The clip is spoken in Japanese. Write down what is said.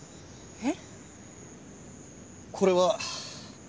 えっ？